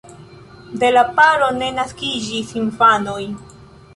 De la paro ne naskiĝis infanoj.